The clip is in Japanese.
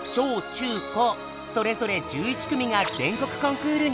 中高それぞれ１１組が全国コンクールに出場。